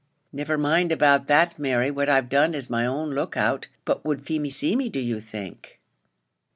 "Never mind about that, Mary; what I've done is my own look out. But would Feemy see me, do you think?"